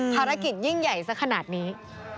ภารกิจยิ่งใหญ่สักขนาดนี้